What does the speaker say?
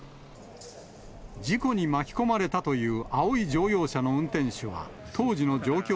事故に巻き込まれたという青い乗用車の運転手は、当時の状況